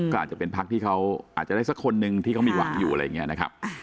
ก็อาจจะเป็นพักที่เขาอาจจะได้สักคนนึงที่เขามีหวังอยู่อะไรอย่างนี้นะครับ